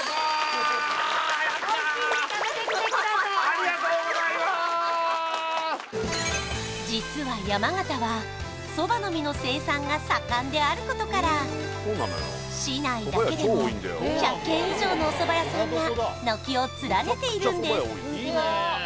ありがとうございまーす実はであることから市内だけでも１００軒以上のお蕎麦屋さんが軒を連ねているんです